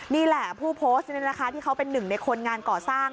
นี่แหละผู้โพสต์นี่นะคะที่เขาเป็นหนึ่งในคนงานก่อสร้าง